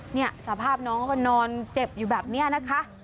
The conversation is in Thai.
เนี่ยสภาพน้องก็นอนเจ็บอยู่แบบนี้นะคะ